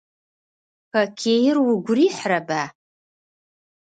Хоккеир угу рихьырэба?